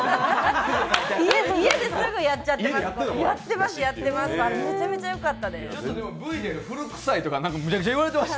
家ですぐやってます、やってます。